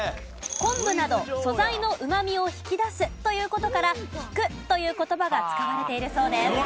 昆布など素材のうま味を引き出すという事から「ひく」という言葉が使われているそうです。